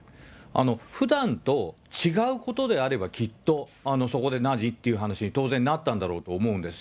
ふだんと違うことであれば、きっと、そこで何？っていう話に当然なったんだろうと思うんです。